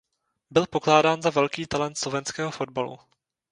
Byl pokládán za velký talent slovenského fotbalu.